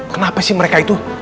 kenapa sih mereka itu